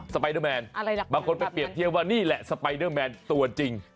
ไปเดอร์แมนบางคนไปเปรียบเทียบว่านี่แหละสไปเดอร์แมนตัวจริง